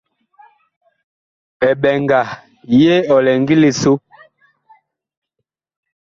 Eɓɛnga ye ɔ lɛ ngili so.